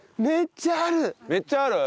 めっちゃある！